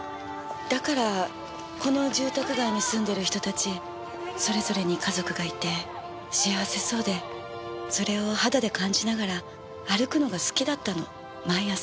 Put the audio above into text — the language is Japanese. だからこの住宅街に住んでる人たちそれぞれに家族がいて幸せそうでそれを肌で感じながら歩くのが好きだったの毎朝。